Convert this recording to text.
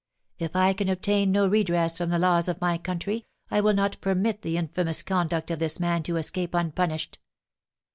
If I can obtain no redress from the laws of my country, I will not permit the infamous conduct of this man to escape unpunished.